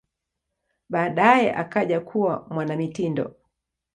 Baadaye akaja kuwa mwanamitindo.